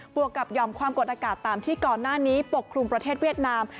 วกกับหย่อมความกดอากาศตามที่ก่อนหน้านี้ปกครุมประเทศเวียดนาม